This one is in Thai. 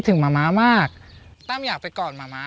จนถึงวันนี้มาม้ามีเงิน๔ปี